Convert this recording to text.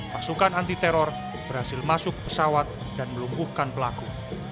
pasukan anti teror berhasil masuk pesawat dan melumpuhkan pelaku